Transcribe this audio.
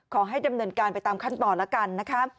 ขอให้ดำเนินการไปตามขั้นตอนแล้วกันนะคะ